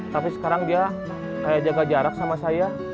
tapi sekarang dia kayak jaga jarak sama saya